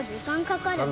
かかるね。